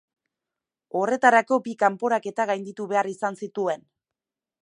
Horretarako bi kanporaketa gainditu behar izan zituen.